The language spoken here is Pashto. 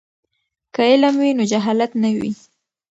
که علم وي نو جهالت نه وي.